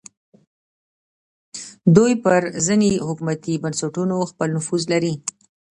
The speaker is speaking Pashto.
دوی پر ځینو حکومتي بنسټونو خپل نفوذ لري